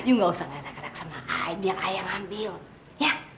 yuh gak usah ngalek alek sama ay biar ay yang ambil ya